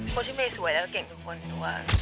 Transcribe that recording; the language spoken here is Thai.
คนที่เมย์สวยแล้วก็เก่งทุกคนด้วย